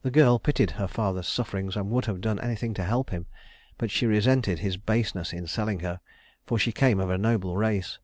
The girl pitied her father's sufferings and would have done anything to help him; but she resented his baseness in selling her, for she came of a noble race.